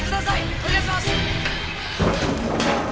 お願いします！